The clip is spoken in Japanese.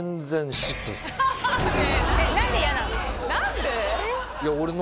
何で嫌なの？